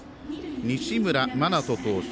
西村真人投手。